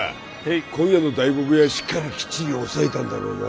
今夜の大黒屋しっかりきっちり押さえたんだろうな？